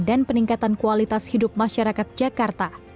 dan peningkatan kualitas hidup masyarakat jakarta